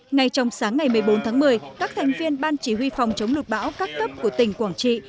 ngay trong sáng ngày một mươi bốn tháng một mươi các thành viên ban chỉ huy phòng chống lụt bão các cấp của tỉnh quảng trị